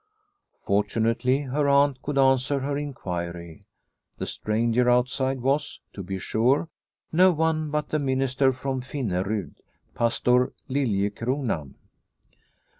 Fortunately her aunt could answer her in quiry. The stranger outside was, to be sure, no one but the minister from Finnerud, Pastor Liliecrona.